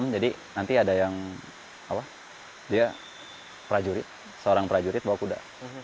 jadi nanti ada yang dia prajurit seorang prajurit bawa kuda